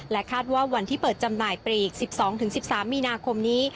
คาดว่าวันที่เปิดจำหน่ายปลีก๑๒๑๓มีนาคมนี้